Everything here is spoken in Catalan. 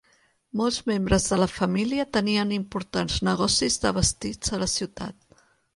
Molts membres de la família tenien importants negocis de vestits a la ciutat.